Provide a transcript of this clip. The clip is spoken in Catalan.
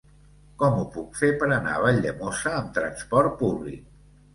Com ho puc fer per anar a Valldemossa amb transport públic?